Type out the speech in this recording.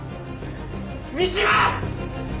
三島！